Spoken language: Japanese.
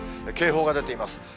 警報が出ています。